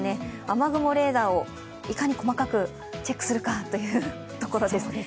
雨雲レーダーをいかに細かくチェックするかというところです。